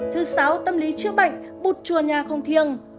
thứ sáu tâm lý chữa bệnh bụt chùa nhà không thiêng